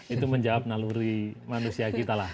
itu menjawab naluri manusia kita lah